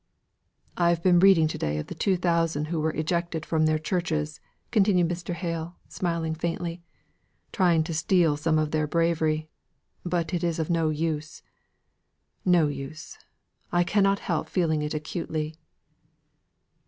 "I have been reading to day of the two thousand who were ejected from their churches," continued Mr. Hale, smiling faintly, "trying to steal some of their bravery; but it is of no use no use I cannot help feeling it acutely."